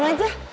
mama nih aneh